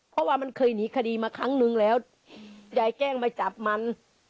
เพราะว่ามันเคยหนีคดีมาครั้งนึงแล้วยายแกล้งมาจับมัน